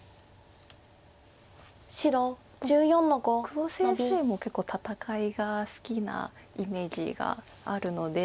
久保先生も結構戦いが好きなイメージがあるので。